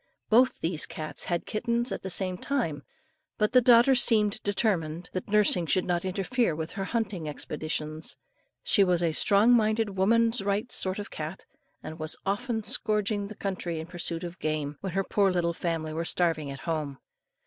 Both these cats had kittens at the same time, but the daughter seemed determined, that nursing should not interfere with her hunting expeditions. She was a strong minded woman's rights sort of a cat, and was often scouring the country in pursuit of game, when her poor little family were starving at home.